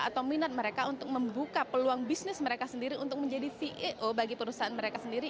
atau minat mereka untuk membuka peluang bisnis mereka sendiri untuk menjadi ceo bagi perusahaan mereka sendiri